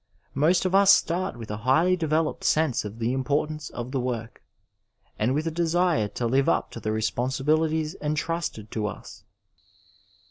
Most of us start with a highly developed sense of the importance of the wod^ and with a desire to live up to the responsibilities ^itmsted to us.